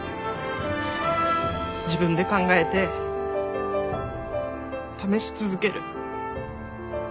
自分で考えて試し続ける。